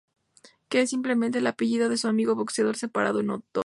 Que es simplemente el apellido de su amigo boxeador separado en dos.